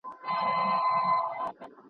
له ایډیالوژیکو بحثونو څخه لیري پاته سئ.